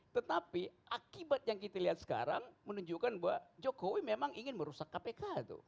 tetapi akibat yang kita lihat sekarang menunjukkan bahwa jokowi memang ingin merusak kpk tuh